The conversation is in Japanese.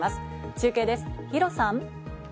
中継です、弘さん。